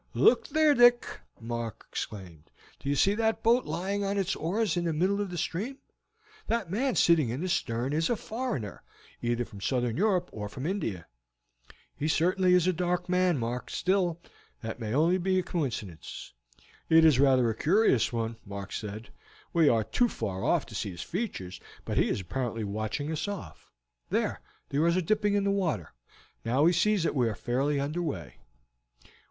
"Look there, Dick!" Mark exclaimed. "Do you see that boat lying on its oars in the middle of the stream? That man sitting in the stern is a foreigner, either from Southern Europe or from India." "He is certainly a dark man, Mark. Still, that may be only a coincidence." "It is rather a curious one," Mark said. "We are too far off to see his features, but he is apparently watching us off. There, the oars are dipping into the water, now he sees that we are fairly under way."